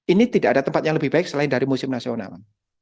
ini tidak ada tempat yang lebih baik selain dari museum nasional